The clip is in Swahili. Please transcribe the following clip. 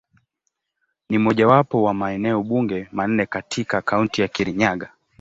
Ni mojawapo wa maeneo bunge manne katika Kaunti ya Kirinyaga.